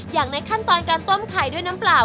อย่างในขั้นตอนการต้มไข่ด้วยน้ำเปล่า